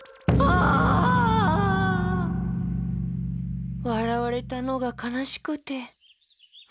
あ！わらわれたのがかなしくて。